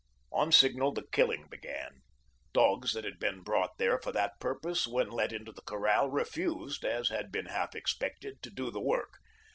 On signal, the killing began. Dogs that had been brought there for that purpose when let into the corral refused, as had been half expected, to do the work.